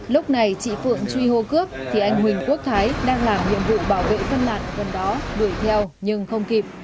lúc này chị phượng truy hô cướp thì anh huỳnh quốc thái đang làm nhiệm vụ bảo vệ phân lạn gần đó đuổi theo nhưng không kịp